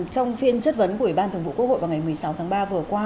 trong phiên chất vấn của ủy ban thường vụ quốc hội vào ngày một mươi sáu tháng ba vừa qua